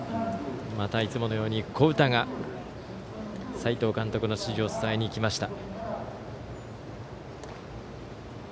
またいつものように古宇田が斎藤監督の指示を伝えに行きました。